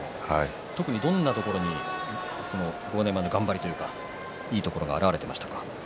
特にどんなところに豪ノ山の頑張りというかいいところが表れていましたか？